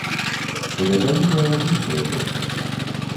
Гэта відэа з іншай эпохі.